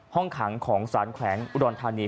ห้องขังของสารแขวงอุดรธานี